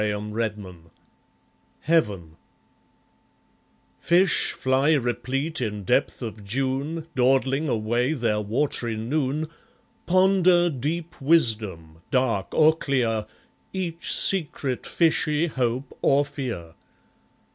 Mataiea, 1914 Heaven Fish (fly replete, in depth of June, Dawdling away their wat'ry noon) Ponder deep wisdom, dark or clear, Each secret fishy hope or fear.